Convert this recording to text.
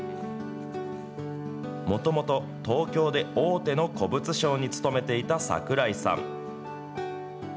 もともと東京で大手の古物商に勤めていた櫻井さん。